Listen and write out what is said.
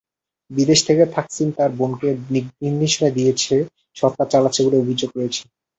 বিদেশ থেকে থাকসিন তাঁর বোনকে দিকনির্দেশনা দিয়ে সরকার চালাচ্ছে বলে অভিযোগ রয়েছে।